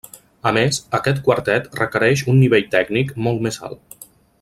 A més, aquest quartet requereix un nivell tècnic molt més alt.